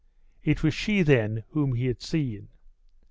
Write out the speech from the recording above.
It was she, then, whom he had seen!....